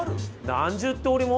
何十通りも？